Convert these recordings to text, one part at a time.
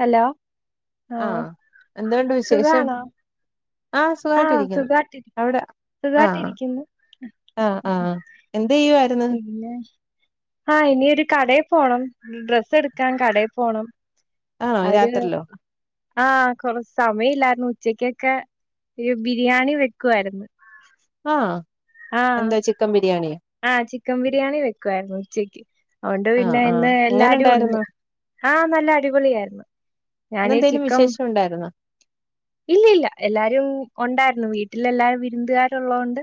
Hello ആഹ ആഹ് എന്തണ്ട് വിശേഷം സുഖാണോ ആഹ ആഹ് സുഖട്ടിരിക്കുന്നു സുഖാട്ടി അവിടെ ആഹ സുഖായിട്ടിരിക്കുന്നു ആഹ് ആഹ് എന്ത് ചെയ്യുവായിരുന്നു പിന്നെ ആഹ ഇനി ഒരു കടയിൽ പോകണം ഡ്രസ്സ് എടുക്കാൻ കടയിൽ പോകണം ആണോ അവര് രാത്രിലോ ആഹ കൊറ സമയം ഇല്ലായിരുന്നു ഉച്ചക്കൊക്കെ ഒരു ബിരിയാണി വെക്കായിരുന്നു ആഹ ആഹ ആഹ ചിക്കൻ ബിരിയാണി വെക്കുവായിരുന്നു ഉച്ചയ്ക്ക് അതൊണ്ട് ആഹ് പിന്നെ ആഹ് ഇന്ന് എങ്ങനെ എല്ലാരും ഉണ്ട് ഉണ്ടായിരുന്നു ആഹ നല്ല അടിപൊളിയായിരുന്നു ഞാനീ ഇന്നെന്തേലും വിശേഷം ഉണ്ടായിരുന്നോ ഇല്ല ഇല്ല എല്ലാരും ഉണ്ടായിരുന്നു വീട്ടിൽ എല്ലാരും വിരുന്നുകാരുള്ളത് കൊണ്ട്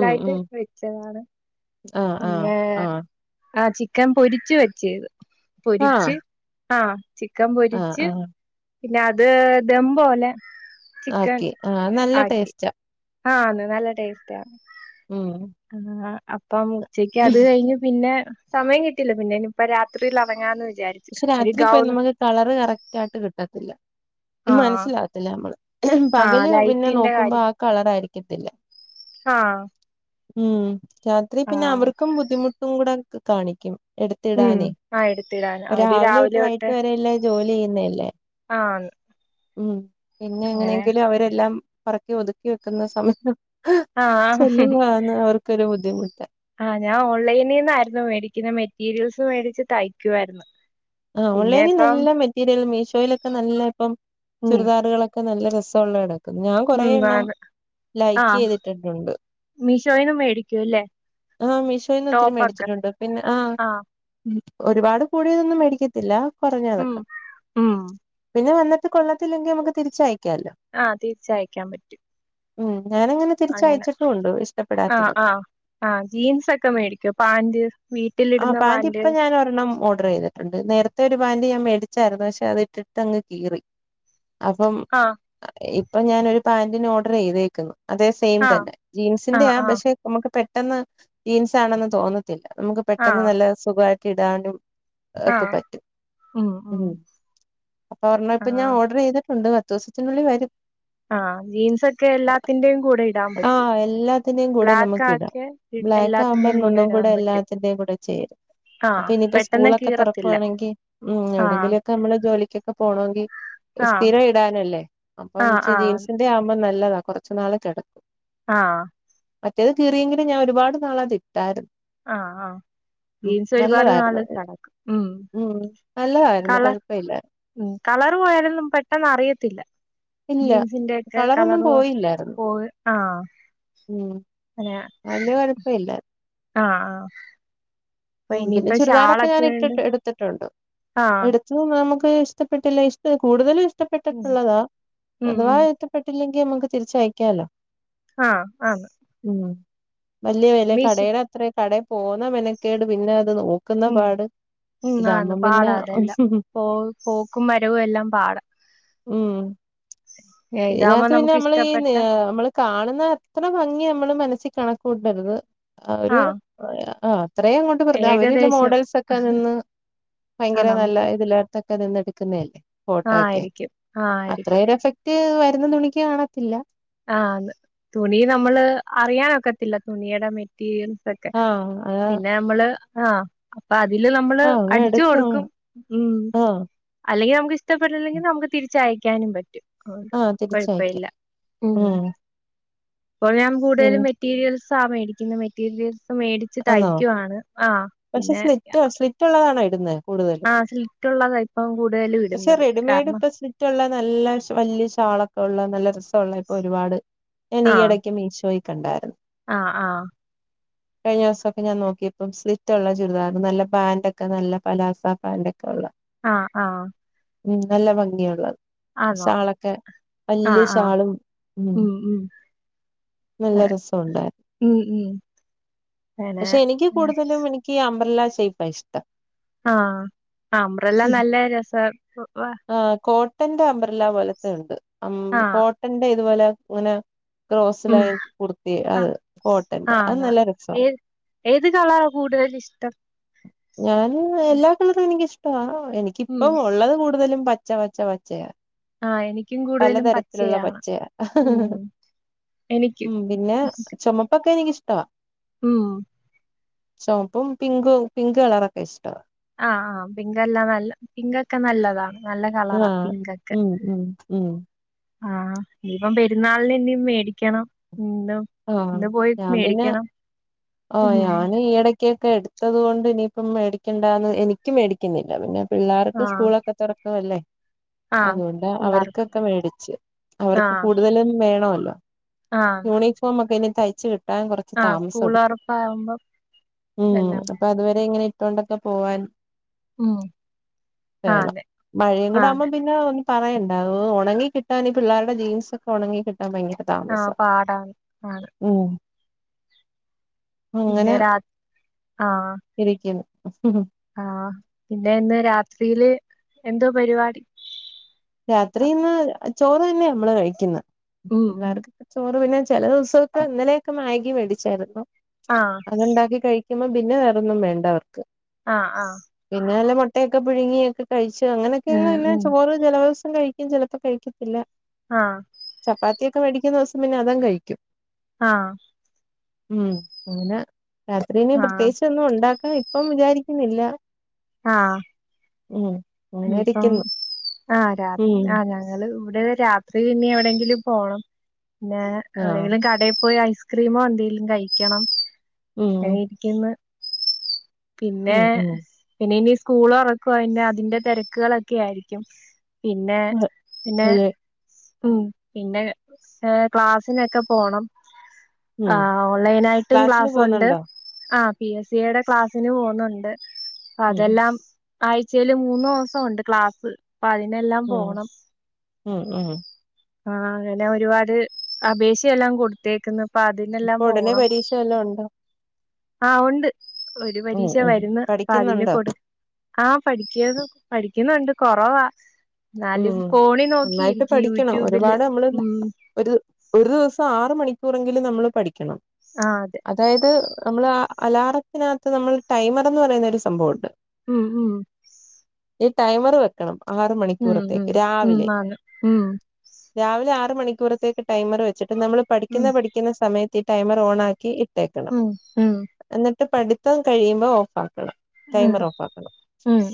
ഉം ഉം വെച്ചതാണ് ആഹ് പിന്ന ആഹ് ആഹ് ആ ചിക്കൻ പൊരിച്ച് വെച്ചത് ആഹ് പൊരിച്ച് ആഹ ചിക്കൻ ആഹ് പൊരിച്ച് ആഹ് പിന്നെ അത് ദമ്പലെ ചിക്കൻ ആക്കി ആഹ് നല്ല ആക്കി ടേസ്റ്റാ ആഹ അന്ന് നല്ല ടേസ്റ്റ് ആണ് ഉം അപ്പം ഉച്ചയ്ക്ക് അത് കഴിഞ്ഞ് പിന്നെ സമയം കിട്ടില്ല പിന്നെ ഇനിയിപ്പ രാത്രിയിൽ അടങ്ങാന്ന് വിചാരിക്കു പക്ഷെ രാത്രി പോയി നമുക്ക് കളറ് കറക്റ്റ് ആയിട്ട് കിട്ടത്തില്ല ആഹ് മനസ്സിലാത്തില്ല നമ്മള് ആഹ് പകല് പിന്നെ ലൈറ്റിന്റെ നോക്കുമ്പോ ആ കളറായിരിക്കത്തില്ല ആഹ ഉം രാത്രി പിന്നെ അവർക്കും ബുദ്ധിമുട്ടും കൂടെ കാണിക്കും ുഎടുത്തിടാനേ ആ എടുത്തിടാൻ അവര് രാവിലെ ഇട്ട് വൈകിട്ട് തൊട്ട് വരെല്ല ജോലി ചെയ്യുന്നല്ലേ ആഹ് ഉം പിന്നെ അങ്ങനെ എങ്ങനെയെങ്കിലും അവരെല്ലാം പറക്കി ഒതുക്കി വെക്കുന്ന സമയത്ത് ആഹ് ചെല്വാന്ന് അവർക്കൊരു ബുദ്ധിമുട്ട് ആഹ ഞാൻ ഓൺലൈനിൽ നിന്നായിരുന്നു മേടിക്കുന്ന മെറ്റീരിയൽസ് മേടിച്ച് തയ്ക്കുയിരുന്നു ആ ഓൺലൈനിൽ നല്ല മെറ്റീരിയൽ മീഷോയിലൊക്കെ നല്ല ഇപ്പം ഉം ചുറദാറുകളൊക്കെ ക്കെ നല്ല രസമുള്ള കടക്കുന്നു ഞാൻ കൊറെേ ഉം എണ്ണം ആന്ന് ലൈക്ക് ചെയ്തിട്ടിട്ടുണ്ട് മീഷോയിന്നും മേടിക്കൂ അല്ലേ ആഹ് മീഷോയിന്ന് ഒത്തിരി ടോപ്പൊക്കെ മേടിച്ചിട്ടുണ്ട് പിന്നെ ആഹ് ഒരുപാട് കൂടിയതൊന്നും മേടിക്കത്തില്ല ഉം കുറഞ്ഞതൊക്കെ ഉം പിന്നെ വന്നിട്ട് കൊള്ളത്തില്ലെങ്കിൽ നമ്മുക്ക് തിരിച്ചയക്കാമല്ലോ ആഹ് തിരിച്ചയക്കാൻ പറ്റും ഉം ഞാനങ്ങനെ അങ്ങനെ തിരിച്ചയച്ചിട്ടും ഉണ്ട് ആഹ് ഇഷ്ടപ്പെടാത്തതൊക്കെ ആഹ് ആഹ് ജീൻസ് ഒക്കെ മേടിക്കു പാന്റ് ആഹ് പാന്റ് ഇപ്പൊ ഞാൻ ഒരെണ്ണം ഓർഡർ ചെയ്ത് ണ്ട് നേരത്തെ ഒരു പാന്റ് ഞാൻ മേടിച്ചായിരുന്നു പക്ഷെ അത് ഇട്ടിട്ട് അങ്ങ് കീറി അപ്പം ആഹ് ഇപ്പൊ ഞാനൊരു പാന്റിന് ഓർഡർ ചെയ്തേക്കുന്നു അതേ സെയിം ആഹ് തന്നെ ജീൻസിന്റെ ആഹ് ആ ആഹ് പക്ഷെ നമ്മുക്ക് പെട്ടെന്ന് ജീൻസ് ആണെന്ന് തോന്നത്തില്ല നമ്മുക്ക് പെട്ടെന്ന് ആഹ് നല്ല സുഖമായിട്ട് ഇടാനും ഒക്കെ ആഹ് പറ്റും ഉം അപ്പൊ ഒരെണ്ണം ഇപ്പ ഞാൻ ആഹ് ഓർഡർ ചെയ്തിട്ടുണ്ട് [unintelligible] വരും ആഹ് ജീൻസ് ഒക്കെ എല്ലാത്തിന്റെയും കൂടെ ഇടാൻ ആ പറ്റും എല്ലാത്തിന്റെയും കൂടെ ബ്ലാക്ക് നമുക്ക് ഇടാം ആക്കെ ബ്ലാക്ക് ആവുമ്പം എല്ലാത്തിന്റെയും ഒന്നും ഇടാൻ കൂടെ പറ്റും എല്ലാത്തിന്റെയും കൂടെ ചേരും അപ്പൊ ആഹ് ഇനിയിപ്പോ പെട്ടെന്ന് സ്കൂളൊക്കെ കീറത്തില്ല തുറക്കുവാണെങ്കിൽ ഉം ആഹ് എവിടെങ്കിലുമൊക്കെ നമ്മള് ജോലിക്കൊക്കെ പോണമെങ്കിൽ ആഹ് സ്ഥിരം ഇടാനല്ലേ അപ്പൊ ആഹ് ആഹ് ജീൻസിന്റെ ആവുമ്പോം നല്ലതാ കുറച്ചു നാൾ കിടക്കും ആഹ് മറ്റേത് കീറിയെങ്കിലും ഞാൻ ഒരുപാട് നാള അത് ഇട്ടായിരുന്നു ആഹ് ആഹ് ഉം ജീൻസ് ഒരുപാട് നല്ലതായിരുന്നു നാള് കടക്കും ഉം നല്ലതായിരുന്നു കളർ കുഴപ്പമില്ല ഉം കളർ പോയാലൊന്നും പെട്ടെന്ന് അറിയത്തില്ല ഇല്ല ജീൻസിന്റെൊക്കെ കളറൊന്നും കളർ പോയില്ലായിരുന്നു പോയി ആഹ് ഉം അങ്ങനെ വല്യ കുഴപ്പ ഇല്ല ആഹ് ആഹ് അപ്പൊ ഉം പിന്നെ ഇനിയിപ്പ ചുരിദാറൊക്കെ ഷാളൊക്കെണ്ട് ഞാൻഇട്ടിട്ട് എടു ആഹ് [unintelligible] നമുക്ക് ഇഷ്ടപ്പെട്ടില്ല ഇഷ്ട കൂടുതലും ഉം ഇഷ്ടപ്പെട്ടിട്ടുള്ളതാ ഉം അഥവാ ഉം ഇഷ്ടപ്പെട്ടില്ലെങ്കിൽ നമ്മുക്ക് തിരിച്ച് അയക്കാലോ ആഹ് ആഹ് ഉം വലിയ വില കടയുടെ അത്ര കട പോന്ന മെനക്കേട് പിന്നെ അത് നോ നോക്കുന്ന ഉം പാട് ഉം ആന്ന് ഇതാകുമ്പം പിന്നെ പാടാ അതെല്ലാം പോ പോക്കും വരവും എല്ലാം പാടാം ഉം ഇതാവുമ്പോ ഇതിനകത്ത് പിന്നെ നമുക്ക് നമ്മള് ഈ ഇഷ്ടപ്പെട്ട നമ്മള് കാണുന്ന അത്ര ഭംഗി നമ്മള് മനസ്സിൽ കണക്കൂട്ടരുത് അവര് ആഹ് ആഹ് അത്രയും കൊണ്ട് അവരില്ലെ ഏകദേശം മോഡൽസ് ഒക്കെ നിന്ന് ആഹ് ഭയങ്കര നല്ല നമുക്ക് ഇതിലത്തൊക്കെ നിന്ന് എടു എടുക്കുന്നല്ലേ ഫോട്ടോ ആഹ് ഒക്കെ ആയിരിക്കും ആഹ് ആയിരിക്കും അത്രേഒരു എഫക്ട് വരുന്ന തുണിക്ക് കാണത്തില്ല ആഹ് ആന്ന് തുണി നമ്മള് അറിയാനൊക്കത്തില്ല തുണിയുടെ മെറ്റീരിയൽ ലൊക്കെ ആഹ് ആ പിന്നെ നമ്മള് ആഹ് അപ്പ അതില് നമ്മള് ആ അങ്ങ് അടിച്ചു എടുക്കും കൊടുക്കും ഉം ആ അല്ലെങ്കി നമുക്ക് ഇഷ്ടപ്പെട്ടില്ലെങ്കിൽ നമുക്ക് തിരിച്ചയക്കാനും പറ്റും ആ തിരിച്ചയക്കാം കൊഴപ്പമില്ല ഉം ഇപ്പൊഴും പിൻ കൂടുതലും മെറ്റീരിയൽസാ മേടിക്കുന്നത് മെറ്റീരിയൽ മേടിച്ച് ആന്നോ തയ്ക്കുവാണ് ആഹ് പിന്നെ മറ്റുള്ളതാണ ഇടുന്നെ ആഹ് സ്ലിറ്റുള്ളതാണ് ഇപ്പം കൂടുതല് ഇടുന്നത് കാരണം മറ്റുള്ള നല്ല ഷാ വലിയ ഷാളൊക്കെ ഉള്ള നല്ല ഇപ്പ ഉള്ള ഇപ്പോ ഒരുപാട് ഞാൻ ആഹ് ഈയിടയ്ക്ക് മീശോയിൽ കണ്ടായിരുന്നു ആഹ് ആഹ് കഴിഞ്ഞ ദിവസൊക്കെ ഞാൻ നോക്കിയപ്പം സ്ലിറ്റുള്ള ചുരിദാറ് നല്ല പാന്റോക്കെ നല്ല പലാസ പാന്റൊക്കെ ഉള്ള ആഹ് ആഹ് ഉം നല്ല ഭംഗിയുള്ള ആന്നോ സാളൊക്കെ ആഹ് വല്യാ ആഹ് ഷാളും ഉം നല്ല അതേ രസമുണ്ടായിരുന്നു ഉം ഉം പിന്നെ പക്ഷെ എനിക്ക് ആഹ് കൂടുതലും എനിക്ക് അംബ്രല ഷൈപ്പ ഇഷ്ടം ആഹ് അംബ്രല്ലാ ഉം നല്ല രസ [unintelligible] ആഹ് കോട്ടന്റെ അംബ്രല പോലത്തെ ഉണ്ട് ആഹ് കോട്ടന്റെ ഇതുപോലെ ഇങ്ങനെ ക്രോസ്സ് ഉം ലൈൻ കുർത്തി ആ അത് കോട്ടന്റെ അത് ആന്ന് നല്ല രസാ ഏത് ഏത് കളറ കൂടുതല് ഇഷ്ടം ഞാൻ എല്ലാ കളറും എനിക്കിഷ്ടമാ ഉം എനിക്കിപ്പം ഉള്ളത് കൂടുതലും പച്ച പച്ച പച്ചയ ആ എനിക്കും കൂടുതലും പലതരത്തിലുള്ള പച്ചയാണ് പച്ചയ ഉം എനിക്കും ഉം പിന്നെ ചുമപ്പൊക്കെ എനിക്കിഷ്ടവാ മ്മ്ഹ് ചുമപ്പും പിങ്കും പിങ്ക് കളറൊക്കെ ഇഷ്ട ആഹ് ആഹ് പിങ്ക് എല്ലാം നല്ല പിങ്കൊക്കെ നല്ലതാ നല്ല കളറാ ആഹ് പിങ്കൊക്കെ ഉം ഉം ഉം ആഹ് ഇനി ഇപ്പം പെരുന്നാളിനി മേടിക്കണം എന്ത ആഹ് ഞാൻ പിന്നെ ആഹ് ഉം ഞാൻ ഈ ഇട ക്കൊക്കെ എടുത്തത് കൊണ്ട് ഇനിയിപ്പം മേടിക്കേണ്ടാന്ന് എനിക്ക് മേടിക്കുന്നില്ല പിന്നെ ആ പിള്ളേർക്ക് സ്കൂളൊക്കെ തുറക്കുവല്ലേ ആ അതുകൊണ്ട് പിള്ളാർക്ക് അവർക്കൊക്കെ മേടിച്ച് ആ അവർക്ക് കൂടുതലും വേണവല്ലോ ആ യൂണിഫോമൊക്കെ ഇനി തയ്ച്ച് കി ട്ടാൻ കുറച്ച് ആ താമസം സ്കൂൾ എടുക്കും തുറപ്പാവുമ്പം മ്മ്ഹ് എല്ലാം അപ്പൊ വേണം അതുവരെ ഇങ്ങനെ ഇട്ടോണ്ടൊക്കെ പോവാൻ ഉം ആ വേണം അതെ മഴയും ആ കൂടെ ആവുമ്പോ അതെ പി ന്ന പറയണ്ട അത് ഉണങ്ങി കിട്ടാൻ പിള്ളേരുടെ ജീൻസൊക്കെ ഉണങ്ങി കിട്ടാൻ ഭയങ്കര ആഹഹ് പാടാണ് മ്മ്ഹ് പിന്നെ രാത്രി ആഹ് ഇരിക്കുന്നു ആഹ് പിന്നെ ഇന്ന് രാത്രിയില് എന്തോ പരിപാടി രാത്രിന്ന് ചോറ് തന്നെയ നമ്മള് കഴിക്കുന്ന ഉം പിള്ളേ ചോറ് പിന്നെ ചില ദിവസൊക്കെ ഇന്നലെയൊക്കെ മാഗി മേടിച്ചായിരുന്നു ആഹ് അത്ണ്ടാക്കി ക ക്കുമ്പ പിന്നെ വേറൊന്നും വേണ്ട അവർക്ക് ആഹ് ആഹ് പിന്നെ വല്ല മുട്ടൊക്കെ പുഴുങ്ങിയൊക്കെ കഴിച്ചു അങ്ങനെയൊക്കെ ഉം പിന്നെ ഉം ചോറ് ചേല ദി വസം കഴിക്കും ചിലപ്പോ കഴിക്കത്തില്ല ആഹ് ചപ്പാത്തിയൊക്കെ മേടിക്കുന്ന ദിവസം പിന്നെ അതങ്ങ് കഴിക്കും ആഹാ ഉം അങ്ങനെ രാത്രി ഇനി ആഹ് പ്രത്യേകിച്ച് ഒന്നും ഉണ്ടാക്കാ ഇപ്പം വിചാരിക്കുന്നില്ല ആഹാ ഉം അങ്ങനെ ഇരിക്കുന്നു ആഹ് രാ ഉം ആ ഞങ്ങള് ഇവിടെ രാത്രി ഇനി എവിടെങ്കിലും പോണം പിന്നെ ആഹ് എവിടെങ്കിലും കടയിൽ പോയി ഐസ്ക്രീമോ എന്തെങ്കിലും കഴിക്കണം അങ്ങി ഉം ക്കിന്ന് പിന്നെ ഉം ഉം പിന്നെ ഇനി സ്കൂള് തുറക്കുവാ അയിന്റെ അതിന്റെ തിരക്കുകളൊക്കെ ആയിരിക്കും പിന്നെ പിന്നെ അതെ ഉം പിന്നെ ഏ ക്ലാസ്സിനൊക്കെ പോണം ഉം ആഹാ ഓൺലൈനായിട്ടു ക്ലാസ്സിന് ക്ലാസ്സുണ്ട് പോകുന്നുണ്ടോ ആഹ് പി എസ് സിയുടെ ക്ലാസിന് പോന്നുണ്ട് ഉം അതെല്ലാം ആഴ്ച്ചേല് മൂന്നോ സോ ഉണ്ട് ക്ലാസ് അപ്പൊ അതിനെല്ലാം ഉം പോണം ഉം ഉം ആഹാ അങ്ങനെ ഒരുപാട് അപേക്ഷയെല്ലാം കൊടുത്തേക്കുന്ന് അപ്പൊ അതിനെല്ലാം ഇപ്പൊ ഉടനെ പോണം. പരീക്ഷ വല്ലോം ഉണ്ടോ ആഹ് ഉണ്ട്. ഒരു ഉം പരീക്ഷ ഉം വര്ന്ന്. അപ്പൊ അതിന് പഠിക്കുന്നുണ്ടോ കൊടു ആഹ് പഠിക്കാരുന്നു, പഠിക്കുന്നുണ്ട്, കൊറവാ. എന്നാലും ഉം ഫോണിൽ നന്നായിട്ട് നോക്കിയിരിക്കും പഠിക്കണം യൂട്യൂബില്. ഒരുപാട് നമ്മള് ഉം. ഒരു ഒരു ദിവസം ആറ് മണിക്കൂറെങ്കിലും നമ്മള് പഠിക്കണം. ആഹ് അതെ. അതായത് നമ്മള് ആഹ് അലാറത്തിനാത്ത് നമ്മളൊരു ടൈമറ്ന്ന് പറയുന്ന ഒരു സംഭവണ്ട്. ഉം ഉം. ഈ ടൈമർ വെക്കണം ആറ് മണി ഉം ഉം ഉം ആന്ന്. ഉം. രാവിലെ ആറ് മണിക്കൂറത്തേക്ക് ടൈമർ വെച്ചിട്ട് നമ്മള് പഠിക്കുന്ന പഠിക്കുന്ന സമയത്ത് ഈ ടൈമർ ഓണാ ക്കി ഇട്ടേക്കണം. എന്നിട്ട് പഠിത്തം കഴിയുമ്പോ ഓഫ് ആക്കണം. ടൈമർ ഓഫാക്കണം.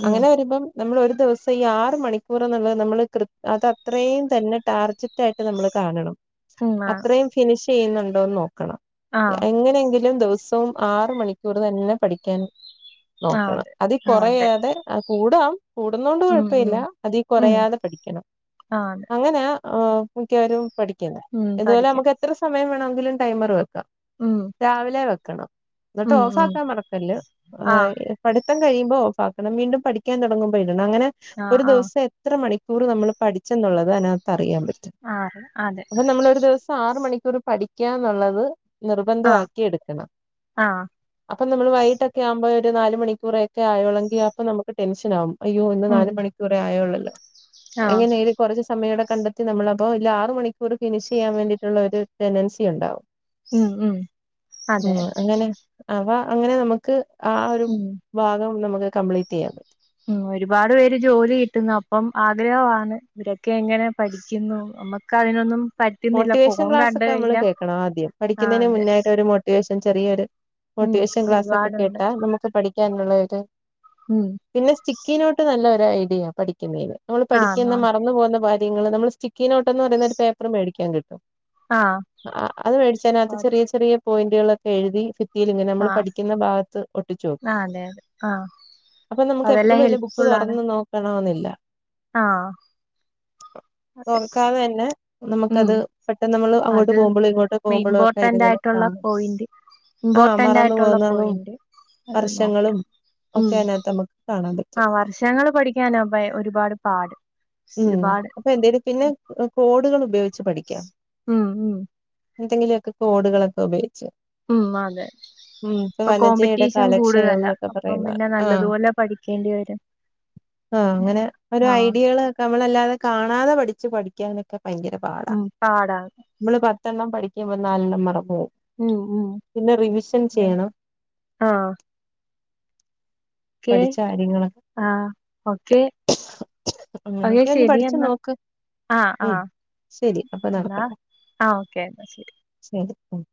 അങ്ങനെ വരുമ്പം നമ്മള് ഒരു ദിവസം ഈ ആറ് മണി ക്കുറ്ന്ന്ള്ളത് നമ്മള് കൃ അതത്രയും തന്നെ ടാർജറ്റായിട്ട് നമ്മള് കാണണം. ആ! അത്രയും ഫിനിഷ് ചെയ്യുന്നുണ്ടോന്ന് നോക്കണം. ആ! എങ്ങനെയെങ്കിലും ദിവസ് വും ആറ് മണിക്കൂർ തന്നെ പഠിക്കാൻ ആ! നോക്കണം. അതെ. അതീ ആ! അതെ. കൊറയാതെ കൂടാം, കൂടുന്നോണ്ട് കൊഴപ്പില്ല. അതീ കൊറയാതെ പഠിക്കണം ആ! അതെ. അങ്ങനെയാ ആഹ് മിക്കവരും പഠിക്കുന്നെ. ഇതുപോലെ പഠിക്കും. നമുക്ക് എത്ര സമയം വേണമെങ്കിലും ടൈമറ് വെ ക്കാം. രാവിലെ വെക്കണം. എന്നിട്ട് ഓഫ് ആക്കാൻ മറക്കല്ല്. ആ! പഠിത്തം കഴിയുമ്പോ ഓഫാക്കണം വീണ്ടും പഠിക്കാൻ തൊടങ്ങുമ്പോ ഇടണം. അങ്ങനെ ആ! ഒരു ആ! ദിവസ് എത്ര മണിക്കൂറ് നമ്മള് പഠിച്ചെന്നുള്ളത് അതിനാത്ത് അറിയാൻ പറ്റും. ആ! അറിയാം. അതെ. അപ്പൊ നമ്മള് ഒരു ദിവസ് ആറ് മണിക്കൂറ് പഠിക്കാ എന്നുള്ളത് ആ! നിർബന്ധവാക്കി എട്ക്കണം. ആ! അപ്പം നമ്മള് വൈകീട്ട് ഒക്കെ ആകുമ്പോ ഒരു നാല് മണിക്കൂറ് ഒക്കെ ആയോള്ളെങ്കി അപ്പൊ നമുക്ക് ടെൻഷൻ ആവും. അയ്യോ ഇന്ന് നാല് മണിക്കൂറെ ആയോള്ളല്ലോ, ആ! എങ്ങനെയേലും കൊറച്ച് സമയോടെ കണ്ടെത്തി നമ്മള് അപ്പോ ഈ ആറ് മണിക്കൂർ ഫിനിഷ് ചെയ്യാൻ വേണ്ടീട്ടുള്ള ഒരു ടെൻഡൻസി ഉണ്ടാവും. അതെ. ഉം അങ്ങനെ, അപ്പ അങ്ങനെ നമുക്ക് ആ ഒരു ഭാഗം നമുക്ക് കംപ്ലീറ്റ് ചെയ്യാത്. ഉം. ഒരുപാട് പേര് ജോലി കിട്ടുന്നു. അപ്പം ആഗ്രഹവാണ് ഇവരൊക്കെ എങ്ങനെ പഠിക്കുന്നു നമ്മ ക്കതിനൊന്നും മോട്ടിവേഷൻ ക്ലാസ്സൊക്കെ നമ്മള് കേൾക്കണം ആദ്യം. ആ! പഠിക്കുന്നതിന് അതെ. മുന്നായിട്ട് ഒരു മോട്ടിവേഷൻ ചെറിയ ഒരു മോട്ടിവേഷൻ ക്ലാസ്സൊക്കെ ഒരുപാടുണ്ട്. കേട്ടാ നമുക്ക് പഠിക്കാനുള്ള ഒരു ഉം. പിന്നെ സ്റ്റിക്കിനോട്ട് നല്ല ഒരു ഐഡിയയാ പഠിക്കുന്നതിന്. നമ്മള് ആ! പഠിക്കുന്ന മറന്നു പോകുന്ന കാര്യങ്ങള് നമ്മള് സ്റ്റിക്കി നോട്ടെന്ന് പറയുന്ന ഒരു പേപ്പറ് മേടിക്കാൻ കിട്ടും. ആഹ് അത് മേടിച്ചതിനാത്ത് ആഹ് ചെറിയ ചെറിയ പോയിന്റുകളൊക്കെ എഴുതി ഫിത്തീലിങ്ങനെ ആ നമ്മള് പഠിക്കുന്ന ഭാഗത്ത് അതെ ഒട്ടിച്ചുവെക്കും. അതെ ആഹ് അപ്പൊ നമുക്ക് അതെല്ലാം എപ്പളും ഇല്ലേ ബുക്ക് ഹെൽപ്ഫുൾ ആണ് തൊറന്ന് നോക്കണോന്നില്ല. ആഹ്. അതെ തൊറക്കാതെ തന്നെ നമ്മക് ഉം അത് പോകുമ്പോഴും ഒക്കെ ഇതിങ്ങനെ ഇമ്പോർട്ടന്റായിട്ടുള്ള കാണും പോയിന്റ് ആ ഇമ്പോർട്ടന്റ് മറന്നു ആയിട്ടുള്ള പോകുന്നതും പോയിന്റ്, അത് നോക്കിയാ. വർഷങ്ങളും ഉം. ഒക്കെ അതിനകത്ത് നമുക്ക് കാണാൻ പറ്റും ആഹ് വർഷങ്ങള് പഠിക്കാനാവ്മ്പാ ഒരുപാട് പാട്. ഉം ഒരുപാട് അപ്പൊ എന്തേലും പിന്നെ കോഡുകൾ ഉപയോഗിച്ച് പഠിക്കാം. ഉം ഉം എന്തെങ്കിലുവൊക്കെ കോഡുകളൊക്കെ ഉപയോഗിച്ച്. ഉം അതെ. ഉം ഇപ്പൊ വനജയുടെ കോമ്പറ്റീഷൻ കാലക്ഷയം കൂടുതലാ. എന്നൊക്കെ അപ്പം പറയുന്ന പിന്നെ ആഹ് നല്ലതുപോലെ പഠിക്കേണ്ടി വരും. ആഹ് അങ്ങനെ ഓരോ ആഹ് ഐഡിയകളൊക്കെ, നമ്മളല്ലാതെ കാണാതെ പഠിച്ച് പഠിക്കാനൊക്കെ ഭയങ്കര പാടാ ഉം പാടാ. നമ്മള് പത്തെണ്ണം പഠിക്കുമ്പോ നാലെണ്ണം മറന്നുപോകും. ഉം ഉം പിന്നെ റിവിഷൻ ചെയ്യണം. ആഹ് പഠിച്ച കാര്യങ്ങളൊക്കെ. ആ ഓക്കെ ഓക്കെ അങ്ങനെയൊക്കെ ഒന്ന് ശരി പഠിച്ചു എന്നാ. നോക്ക് ആ ആ ഉം ശരി അപ്പൊ എന്നാ നടക്കട്ടെ ആ ഓക്കെ എന്നാ ശരി. ശരി ഉം.